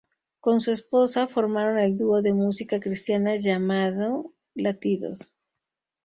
Con su esposa, formaron el dúo de música cristiana llamado Latidos.